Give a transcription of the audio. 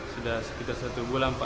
sudah sekitar satu bulan pak